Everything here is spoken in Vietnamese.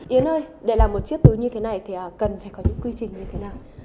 yến ơi để làm một chiếc túi như thế này thì cần phải có những quy trình như thế nào